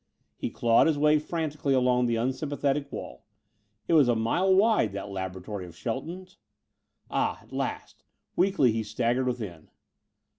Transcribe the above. He clawed his way frantically along the unsympathetic wall. It was a mile wide, that laboratory of Shelton's. Ah at last! Weakly, he staggered within.